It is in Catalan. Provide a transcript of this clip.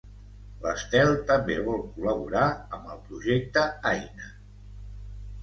L'Estel també vol col·laborar amb el projecte Aina